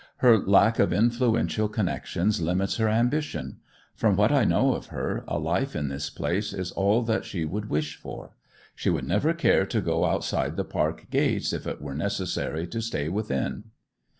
Her lack of influential connections limits her ambition. From what I know of her, a life in this place is all that she would wish for. She would never care to go outside the park gates if it were necessary to stay within.